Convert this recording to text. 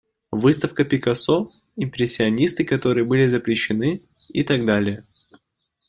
Выставка Пикассо, импрессионисты которые были запрещены, и так далее.